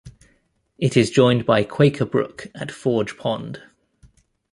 It is joined by Quaker Brook at Forge Pond.